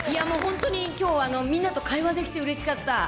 もう本当に、きょうはみんなと会話できてうれしかった。